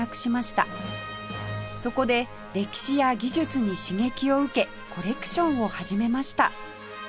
そこで歴史や技術に刺激を受けコレクションを始めました